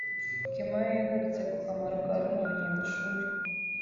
Kimaiyo yagarutse ku kamaro ka runo rugendo-shuri